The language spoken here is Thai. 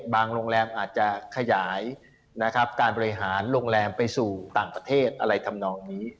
โรงแรมอาจจะขยายนะครับการบริหารโรงแรมไปสู่ต่างประเทศอะไรทำนองนี้